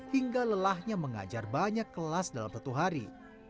hingga lelahnya mengajar banyak kelas dalam satu hari